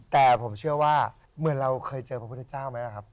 แต่ผมเชื่อว่าเหมือนเราเคยเจอพระพุทธเจ้าไหมล่ะครับ